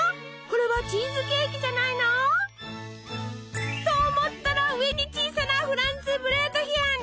これはチーズケーキじゃないの？と思ったら上に小さなフランツブレートヒェン！